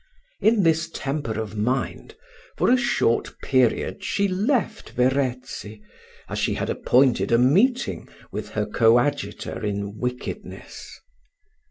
In this temper of mind, for a short period she left Verezzi, as she had appointed a meeting with her coadjutor in wickedness.